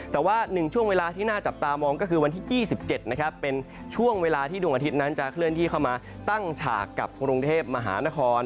แต่ว่า๑ช่วงเวลาที่น่าจับตามองก็คือวันที่๒๗นะครับเป็นช่วงเวลาที่ดวงอาทิตย์นั้นจะเคลื่อนที่เข้ามาตั้งฉากกับกรุงเทพมหานคร